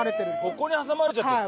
そこに挟まれちゃってるの？